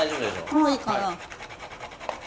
もういいかな？